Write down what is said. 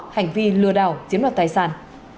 hành vi lừa đảo chiếm đoạt tài sản